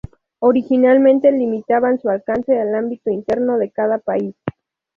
Originalmente limitaban su alcance al ámbito interno de cada país.